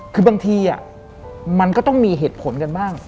คือบางทีมันก็ต้องมีเหตุผลกันบ้าง